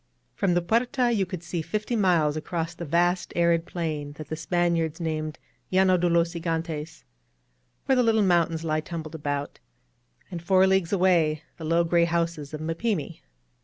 From the Puerta you could see fifty miles across the vast arid plain that the Spaniards named Llano de los Gigantes^ where the little moun^ tains lie tumbled about ; and four leagues away the low gray houses of Mapimi.